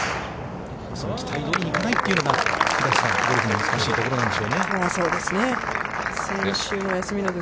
その期待どおりにいかないというのが、ゴルフの難しいところなんでしょうね。